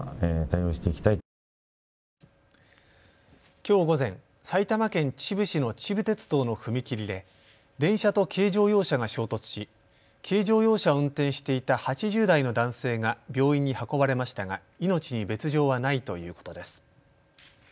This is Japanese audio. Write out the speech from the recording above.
きょう午前、埼玉県秩父市の秩父鉄道の踏切で電車と軽乗用車が衝突し軽乗用車を運転していた８０代の男性が病院に運ばれましたが命に別状はないということです。